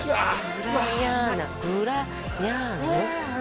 グラニャーナグラニャーノ？